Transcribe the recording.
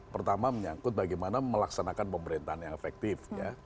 pertama menyangkut bagaimana melaksanakan pemerintahan yang efektif